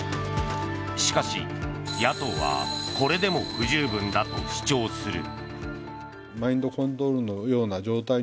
しかし、野党はこれでも不十分だと主張する。